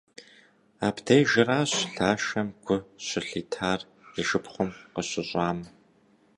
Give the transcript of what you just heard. Абдежыращ Лашэм гу щылъитар и шыпхъум къыщыщӏам.